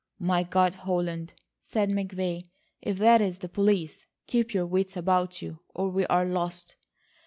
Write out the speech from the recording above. "My God, Holland," said McVay, "if that is the police, keep your wits about you or we are lost."